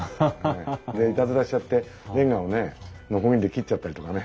でいたずらしちゃってれんがをねノコギリで切っちゃったりとかね。